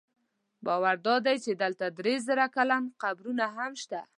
باور دا دی چې دلته درې زره کلن قبرونه هم شته.